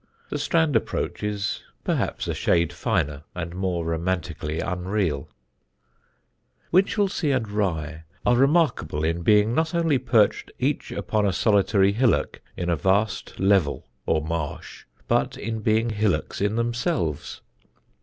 The Strand approach is perhaps a shade finer and more romantically unreal. [Sidenote: THE FREAKISH SEA] Winchelsea and Rye are remarkable in being not only perched each upon a solitary hillock in a vast level or marsh, but in being hillocks in themselves.